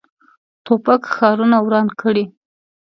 توپک ښارونه وران کړي.